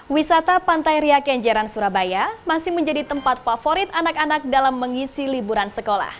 wisata pantai ria kenjeran surabaya masih menjadi tempat favorit anak anak dalam mengisi liburan sekolah